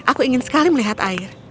aku ingin sekali melihat air